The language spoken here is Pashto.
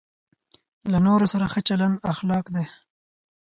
له نورو سره ښه چلند اخلاق دی.